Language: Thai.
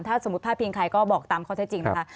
ถ้าสมมุติผลัพย์เพียงใครก็บอกตามข้อแท้จริงนะคะ